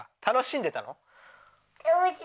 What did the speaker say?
楽しんでたの？